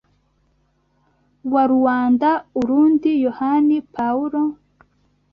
wa Ruanda-Urundi Yohani pawullo